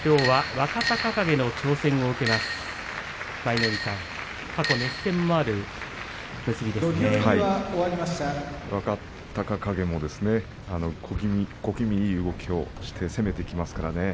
若隆景も小気味いい動き攻めてきますよね。